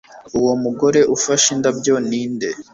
Uwo mugore ufashe indabyo ninde?